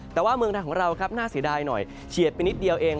แต่ว่าเมืองไทยของเราครับน่าเสียดายหน่อยเฉียดไปนิดเดียวเอง